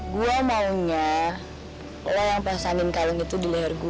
gue maunya lo yang pesanin kaleng itu di leher gue